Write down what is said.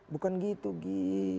bukan gitu egy